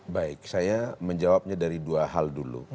baik saya menjawabnya dari dua hal dulu